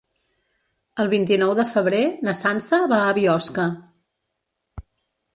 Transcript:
El vint-i-nou de febrer na Sança va a Biosca.